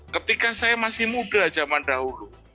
ketika saya masih muda zaman dahulu